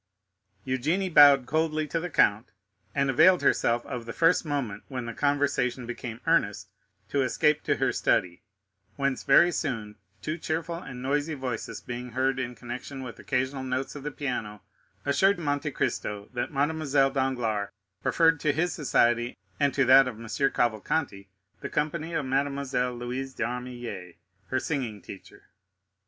Eugénie bowed coldly to the count, and availed herself of the first moment when the conversation became earnest to escape to her study, whence very soon two cheerful and noisy voices being heard in connection with occasional notes of the piano assured Monte Cristo that Mademoiselle Danglars preferred to his society and to that of M. Cavalcanti the company of Mademoiselle Louise d'Armilly, her singing teacher.